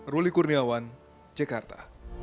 ruli kurniawan jakarta